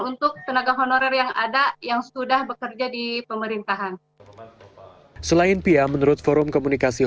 untuk tenaga honorer yang ada yang sudah bekerja di pemerintahan selain pia menurut forum komunikasi